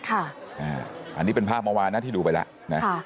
อันนี้เป็นภาพเมื่อวานนะที่ดูไปแล้วนะ